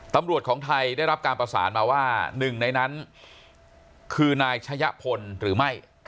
ของไทยได้รับการประสานมาว่าหนึ่งในนั้นคือนายชะยะพลหรือไม่